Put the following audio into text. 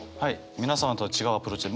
皆さんとは違うアプローチで。